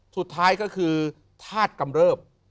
สุดท้ายก็คือธาตุกำเริบ